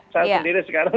saya sendiri sekarang